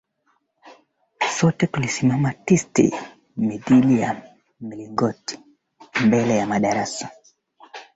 Umezitakasa roho, umekuwa mhisani,